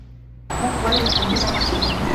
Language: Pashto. موږ ولي له خنډونو سره مخ کیږو؟